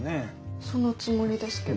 そのつもりですけど。